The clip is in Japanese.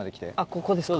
ここですか。